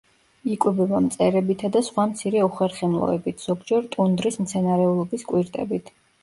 იკვებება მწერებითა და სხვა მცირე უხერხემლოებით, ზოგჯერ ტუნდრის მცენარეულობის კვირტებით.